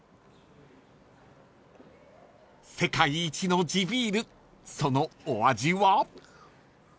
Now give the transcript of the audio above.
［世界一の地ビールそのお味は？］